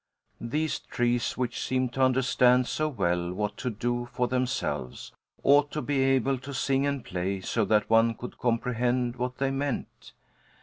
These trees, which seemed to understand so well what to do for themselves, ought to be able to sing and play so that one could comprehend what they meant.